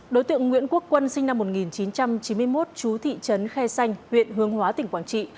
đối tượng nguyễn quốc quân sinh năm một nghìn chín trăm chín mươi một chú thị trấn khe xanh huyện hương hóa tỉnh quảng trị